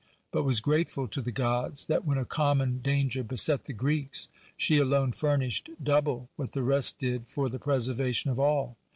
— but was grateful to the gods, that, when a common danirer beset the Greeks, she alone furnished double what the rest did for the preservation of all.